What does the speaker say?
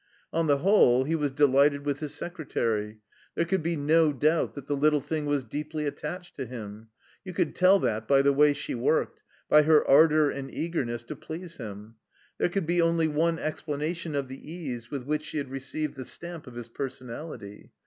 On the whole he was delighted with his secretary. There could be no doubt that the little thing was deeply attached to him. You could tell that by the way she worked, by her ardour and eagerness to please him. There could be only one explanation of the ease with which she had received the stamp of his personality.